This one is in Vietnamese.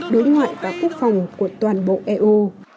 đối ngoại và quốc phòng của toàn bộ eu